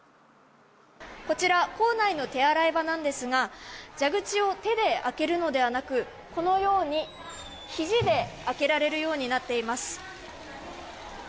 こちら校内の手洗い場なんですが蛇口を手で開けるのではなくこのようにひじで開けられるようになっています。